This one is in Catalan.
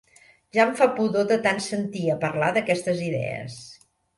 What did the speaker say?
Ja em fa pudor de tant sentir a parlar d'aquestes idees.